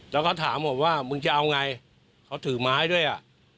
แล้วก็ถามผมว่ามึงจะเอาไงเขาถือไม้ด้วยอ่ะ